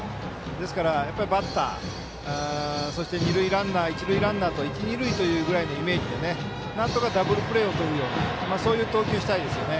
ですから、やっぱりバッターそして二塁ランナー、一塁ランナーと一二塁というイメージでなんとかダブルプレーをとるようなそういう投球をしたいですよね。